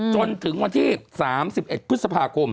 จนถึงวันที่๓๑พฤษภาคม